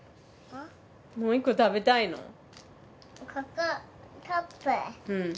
もう一個食べたいの？